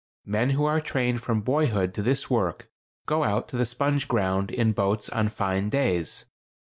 Men who are trained from boyhood to this work go out to the sponge ground in boats on fine days.